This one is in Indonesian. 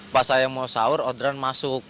pas saya mau sahur orderan masuk